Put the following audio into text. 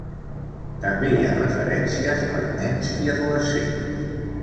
També hi ha referències per nens i adolescents.